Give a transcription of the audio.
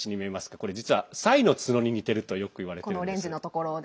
これ、実はサイの角に似てるとよくいわれています。